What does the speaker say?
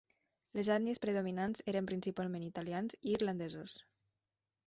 Les ètnies predominants eren principalment d'italians i irlandesos.